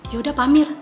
yaudah pak amir